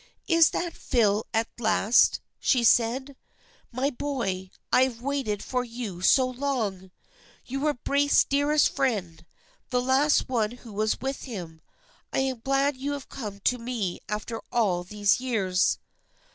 " Is that Phil at last? " she said. " My boy, I have waited for you so long ! You were Braith's dearest friend, the last one who was with him. I am glad you have come to me after all these years."